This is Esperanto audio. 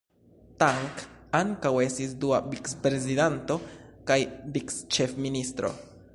Tang ankaŭ estis dua vicprezidanto kaj vicĉefministro.